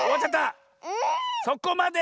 そこまで！